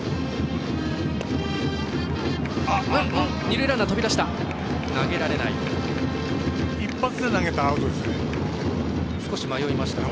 二塁ランナー飛び出した！